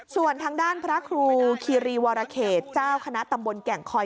ส่วนทางด้านพระครูคีรีวรเขตเจ้าคณะตำบลแก่งคอย